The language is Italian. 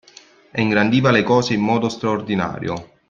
E ingrandiva le cose in modo straordinario.